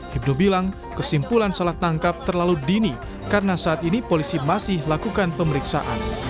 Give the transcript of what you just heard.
hibdul bilang kesimpulan salah tangkap terlalu dini karena saat ini polisi masih lakukan pemeriksaan